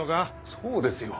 そうですよ